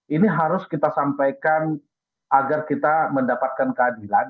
ini harus kita sampaikan agar kita mendapatkan keadilan